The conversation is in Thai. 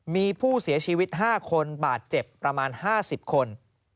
มีผู้เสียชีวิต๕คนบาดเจ็บประมาณ๕๐คน